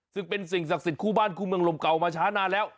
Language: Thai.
ซึ่งเป็นสิ่งศักดิ์สิทธิคู่บ้านคู่เมืองลมเก่ามาช้านานแล้ว